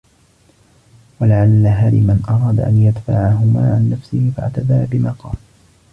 وَلَعَلَّ هَرِمًا أَرَادَ أَنْ يَدْفَعَهُمَا عَنْ نَفْسِهِ فَاعْتَذَرَ بِمَا قَالَ